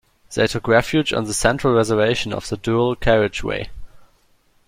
They took refuge on the central reservation of the dual carriageway